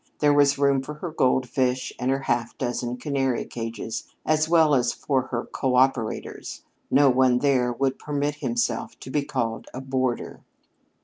There was room for her goldfish and her half dozen canary cages as well as for her "coöperators" no one there would permit himself to be called a boarder.